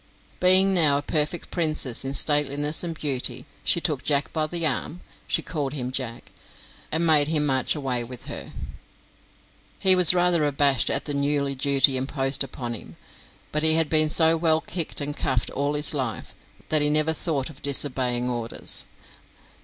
Being now a perfect princess in stateliness and beauty, she took Jack by the arm she called him Jack and made him march away with her. He was rather abashed at the new duty imposed upon him, but he had been so well kicked and cuffed all his life that he never thought of disobeying orders.